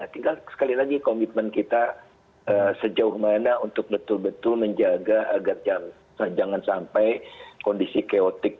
tinggal sekali lagi komitmen kita sejauh mana untuk betul betul menjaga agar jangan sampai kondisi keotik